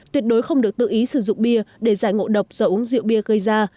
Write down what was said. tuyệt đối không được tự ý sử dụng bia để giải ngộ độc do uống rượu bia gây ra